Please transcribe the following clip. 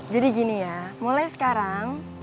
jadi gini ya mulai sekarang